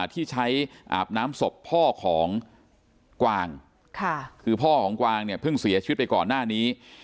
ที่ใช้อาบน้ำศพพ่อของกวางคือพ่อของกวางเนี่ยเพิ่งเสียชีวิตไปก่อนหน้านี้